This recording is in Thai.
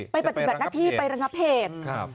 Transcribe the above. ปฏิบัติหน้าที่ไประงับเหตุ